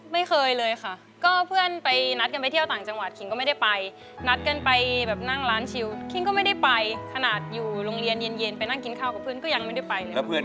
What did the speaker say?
ไม่เคยเลยค่ะก็เพื่อนไปนัดกันไปเที่ยวต่างจังหวัดคิงก็ไม่ได้ไปนัดกันไปแบบนั่งร้านชิวคิงก็ไม่ได้ไปขนาดอยู่โรงเรียนเย็นไปนั่งกินข้าวกับเพื่อนก็ยังไม่ได้ไปเลย